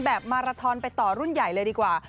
มาราทอนไปต่อรุ่นใหญ่เลยดีกว่า